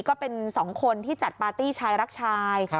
ก็เป็น๒คนที่จัดปาร์ตี้ชายรักชาย